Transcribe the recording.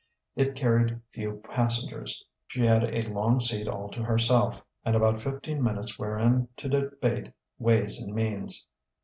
It carried few passengers. She had a long seat all to herself, and about fifteen minutes wherein to debate ways and means....